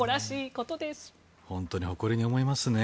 本当に誇りに思いますね。